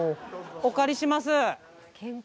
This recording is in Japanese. お借りします。